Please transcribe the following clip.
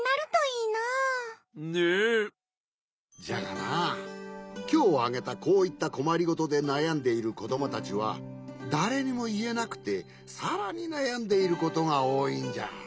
じゃがなきょうあげたこういったこまりごとでなやんでいるこどもたちはだれにもいえなくてさらになやんでいることがおおいんじゃ。